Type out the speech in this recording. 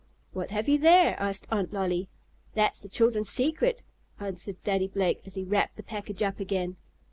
"What have you there?" asked Aunt Lolly. "That's the children's secret," answered Daddy Blake, as he wrapped the package up again.